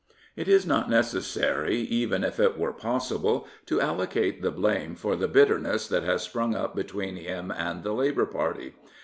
It is not necessary, even if it were possible, to allocate the blame for the bitterness that has sprung up between him and the Labour party.